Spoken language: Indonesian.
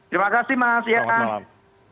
terima kasih mas ya pak selamat malam